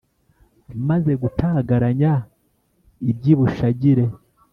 Maze gutagaranyaiby’i Bushagire